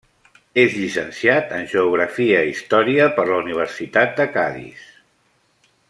És llicenciat en Geografia i Història per la Universitat de Cadis.